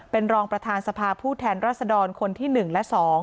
เป็นรองประธานสภาผู้แทนรัศดรคนที่๑และ๒